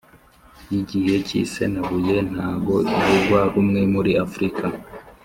Y igihe k isenabuye ntabwo ivugwaho rumwe muri afurika